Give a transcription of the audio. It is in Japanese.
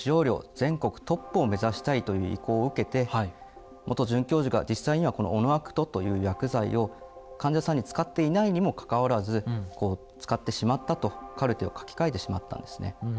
全国トップを目指したいという意向を受けて元准教授が実際にはこのオノアクトという薬剤を患者さんに使っていないにもかかわらず使ってしまったとカルテを書き換えてしまったんですね。